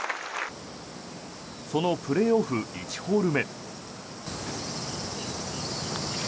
そのプレーオフ１ホール目。